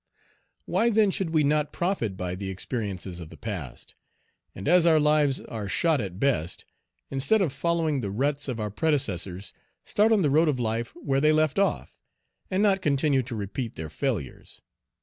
Why then should we not profit by the experiences of the past; and as our lives are shot at best, instead of following the ruts of our predecessors, start on the road of life where they left off, and not continue to repeat their failures?